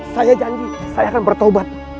saya janji saya akan bertobat